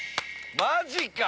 マジか！